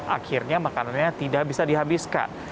akhirnya makanannya tidak bisa dihabiskan